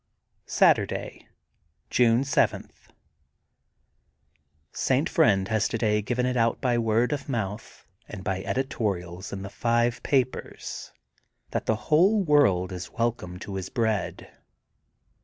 '' Saturday, June 7: — St. Friend has today given it out by word of mouth and by edi torials in the five papers that the whole world is welcome to his bread.